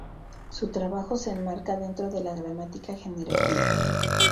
Su trabajo se enmarca dentro de la gramática generativa.